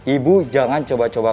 ibu jangan coba coba